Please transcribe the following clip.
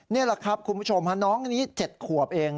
นี่แหละครับคุณผู้ชมฮะน้องนี้๗ขวบเอง